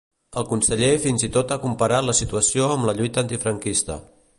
El conseller fins i tot ha comparat la situació amb la lluita antifranquista.